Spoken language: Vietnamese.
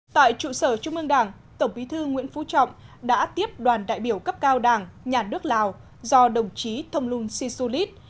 tại trụ sở trung ương đảng tổng bí thư nguyễn phú trọng đã tiếp đoàn đại biểu cấp cao đảng nhà nước lào do đồng chí thông luân si su lít